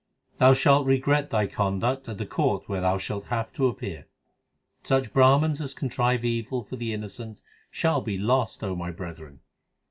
Thou shalt regret thy conduct at the Court Where thou shalt have to appear. Such Brahmans as contrive evil For the innocent shall be lost, O my brethren.